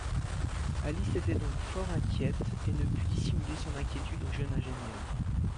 Alice était donc fort inquiète et ne put dissimuler son inquiétude au jeune ingénieur.